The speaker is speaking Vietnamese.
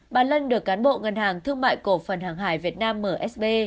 bà lân được cán bộ ngân hàng thương mại cổ phần hàng hải việt nam msb